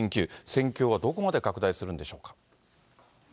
戦況はどこまで拡大するんでしょうか。